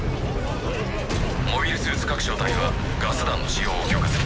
モビルスーツ各小隊はガス弾の使用を許可する。